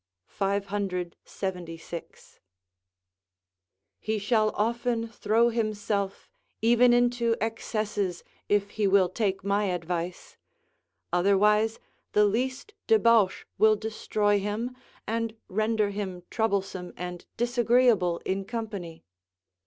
576.] he shall often throw himself even into excesses, if he will take my advice; otherwise the least debauch will destroy him, and render him troublesome and disagreeable in company.